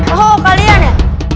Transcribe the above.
oh kalian ya